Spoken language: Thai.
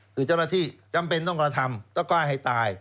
คือเจ้าหน้าที่จำเป็นต้องกระทำต้องกล้าให้ตาย